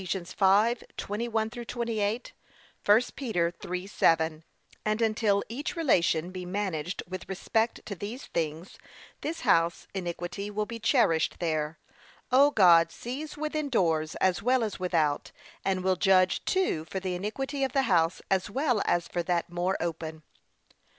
5:21 28; 1 Peter 3:7) And until each relation be managed with respect to these things, this house iniquity will be cherished there. O! God sees within doors as well as without, and will judge too for the iniquity of the house as well as for that more open.